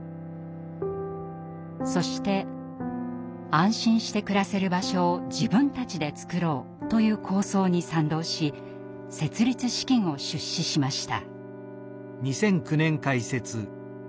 そして安心して暮らせる場所を自分たちでつくろうという構想に賛同し設立資金を出資しました。